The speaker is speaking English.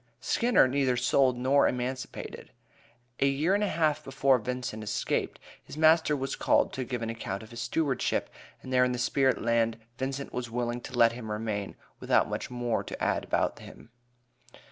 Skinner "neither sold nor emancipated." A year and a half before Vincent escaped, his master was called to give an account of his stewardship, and there in the spirit land Vincent was willing to let him remain, without much more to add about him.